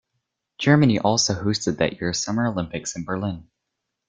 Germany also hosted that year's Summer Olympics in Berlin.